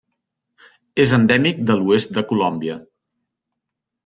És endèmic de l'oest de Colòmbia.